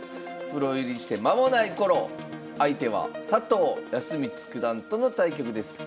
プロ入りして間もない頃相手は佐藤康光九段との対局です。